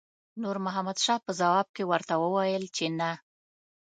نور محمد شاه په ځواب کې ورته وویل چې نه.